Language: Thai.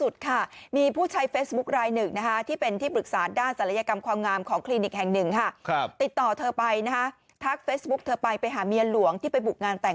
ติดต่อเธอไปนะฮะทักเฟซบุ๊กเธอไปไปหาเมียหลวงที่ไปบุกงานแต่ง